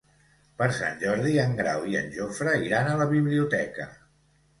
Per Sant Jordi en Grau i en Jofre iran a la biblioteca.